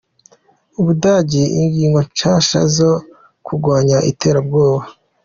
Ubudagi: Ingingo nshasha zo kugwanya iterabwoba.